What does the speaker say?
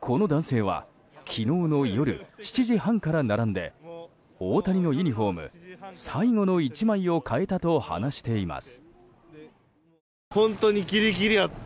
この男性は昨日の夜７時半から並んで大谷のユニホーム最後の１枚を買えたと話しています。